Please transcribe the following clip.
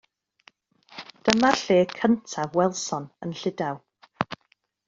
Dyma'r lle cyntaf welsom yn Llydaw.